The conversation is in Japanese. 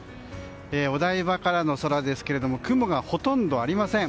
お台場からの空ですけども雲がほとんどありません。